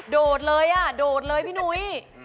โดดเลยอ่ะโดดเลยพี่นุ้ย